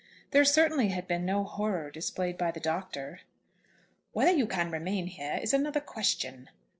There certainly had been no horror displayed by the Doctor. "Whether you can remain here is another question."